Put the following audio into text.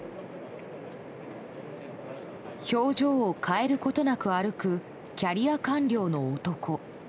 表情を変えることなく歩くキャリア官僚の男。